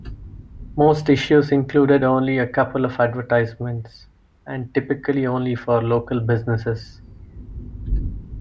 Most issues included only a couple of advertisements, and typically only for local businesses.